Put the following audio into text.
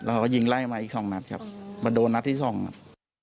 แล้วเขาก็ยิงไล่มาอีก๒นับมาโดนนัดที่๒นับ